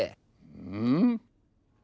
うん？